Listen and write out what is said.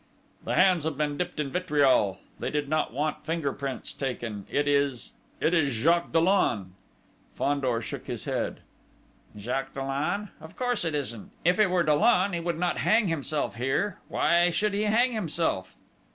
"The hands have been dipped in vitriol they did not want finger prints taken it is it is Jacques Dollon!" Fandor shook his head. "Jacques Dollon? Of course, it isn't!... If it were Dollon, he would not hang himself here.... Why should he hang himself?"